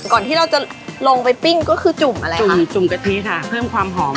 ก่อนที่เราจะลงไปปิ้งก็คือจุ่มอะไรจุ่มจุ่มกะทิค่ะเพิ่มความหอม